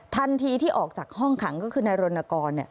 ทันทีที่ออกจากห้องขังก็คือนายรณกร